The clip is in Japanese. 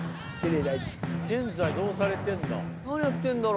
現在どうされてんだ？